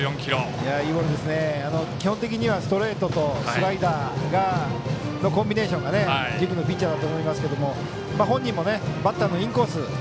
基本的にはストレートとスライダーのコンビネーションが軸のピッチャーだと思いますが本人もバッターのインコース。